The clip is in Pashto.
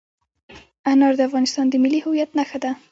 انار د افغانستان د ملي هویت نښه ده.